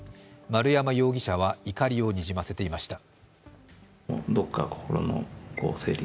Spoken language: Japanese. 丸山容疑者は怒りをにじませていました。